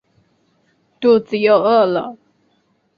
肚子又饿了